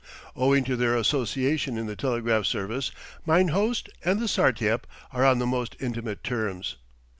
Owing to their association in the telegraph service, mine host and the Sartiep are on the most intimate terms.